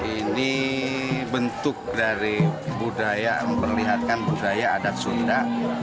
ini bentuk dari budaya memperlihatkan budaya adat sunda